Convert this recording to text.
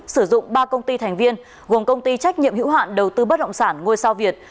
sử dụng ba công ty thành viên gồm công ty trách nhiệm hữu hạn đầu tư bất động sản ngôi sao việt